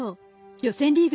予選リーグ